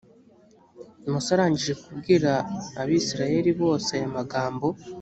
musa arangije kubwira abayisraheli bose aya magambo,